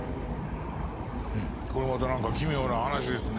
これまた何か奇妙な話ですね。